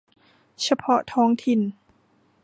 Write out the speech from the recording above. เฉพาะท้องถิ่น